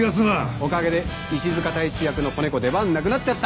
おかげで石塚大使役の子猫出番なくなっちゃった。